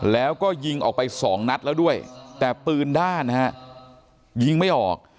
แล้วก็ยิงออกไปสองนัดแล้วด้วยแต่ปืนด้านนะฮะยิงไม่ออก